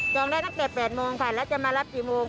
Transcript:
ได้ตั้งแต่๘โมงค่ะแล้วจะมารับกี่โมง